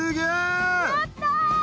やった！